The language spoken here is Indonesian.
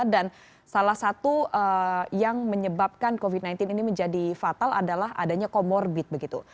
dan salah satu yang menyebabkan covid sembilan belas ini menjadi fatal adalah adanya comorbid begitu